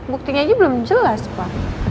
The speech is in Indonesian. buktinya aja belum jelas pak